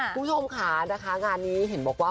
คุณผู้ชมค่ะนะคะงานนี้เห็นบอกว่า